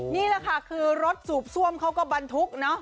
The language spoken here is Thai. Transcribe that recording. นี่แหละค่ะคือรถสูบซ่วมเขาก็บรรทุกเนอะ